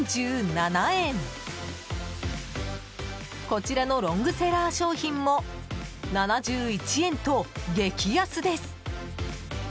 こちらのロングセラー商品も７１円と激安です。